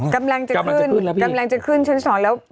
กำลังจะขึ้นชั้น๒แล้ว